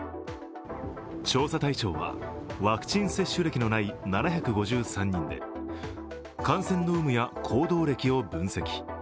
調査対象はワクチン接種歴のない７５３人で感染の有無や行動歴を分析。